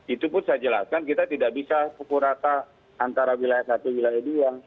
itu pun saya jelaskan kita tidak bisa pukul rata antara wilayah satu wilayah dua